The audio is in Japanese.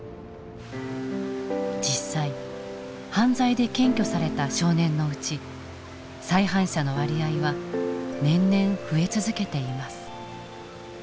実際犯罪で検挙された少年のうち再犯者の割合は年々増え続けています。